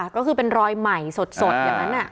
ก็คือเป็นรอยใหม่สดอย่างนั้น